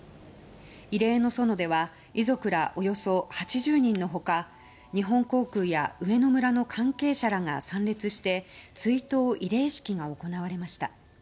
慰霊の園では遺族らおよそ８０人の他日本航空や上野村の関係者らが参列して追悼慰霊式が行われました。